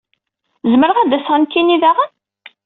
Zemreɣ ad aseɣ nekkini daɣen?